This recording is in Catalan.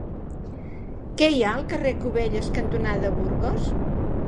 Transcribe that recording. Què hi ha al carrer Cubelles cantonada Burgos?